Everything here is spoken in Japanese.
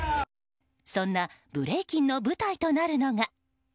そんなブレイキンの舞台となるのが。